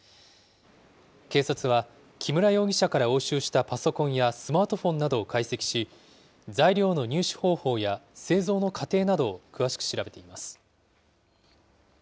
警察は、木村容疑者から押収したパソコンやスマートフォンなどを解析し、材料の入手方法や製造の過程などを詳しく調べています。